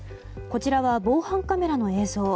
こちらは防犯カメラの映像。